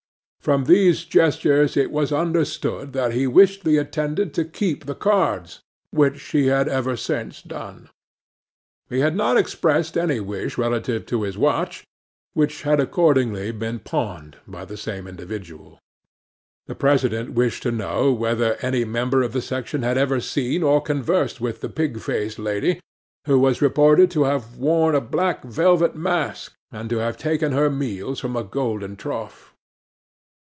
From these gestures it was understood that he wished the attendant to keep the cards, which he had ever since done. He had not expressed any wish relative to his watch, which had accordingly been pawned by the same individual. 'THE PRESIDENT wished to know whether any Member of the section had ever seen or conversed with the pig faced lady, who was reported to have worn a black velvet mask, and to have taken her meals from a golden trough.